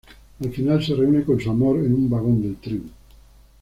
Al final se reúne con su amor en un vagón del tren.